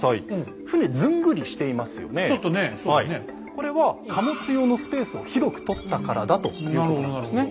これは貨物用のスペースを広く取ったからだということなんですね。